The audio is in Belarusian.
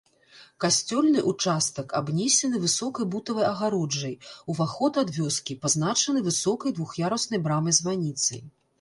Касцёльны ўчастак абнесены высокай бутавай агароджай, уваход ад вёскі пазначаны высокай двух'яруснай брамай-званіцай.